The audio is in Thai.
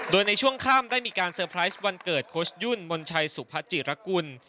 โดยในช่วงค่ำได้มีการเซอร์ไพรส์วันเกิดโค้ชยุ่นมนชัยสุพจิรกุล